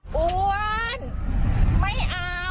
กวนไม่เอา